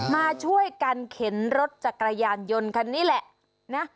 มาช่วยกันเข็นรถจักรยานยนต์คันนี้แหละนะ